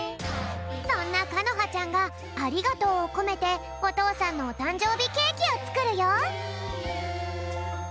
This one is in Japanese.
そんなかのはちゃんがありがとうをこめておとうさんのおたんじょうびケーキをつくるよ！